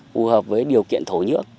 phù hợp với điều kiện thổ nhưỡng